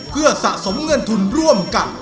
เพื่อสะสมเงินทุนร่วมกัน